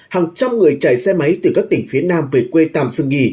hàng trăm người chạy xe máy từ các tỉnh phía nam về quê tạm dừng nghỉ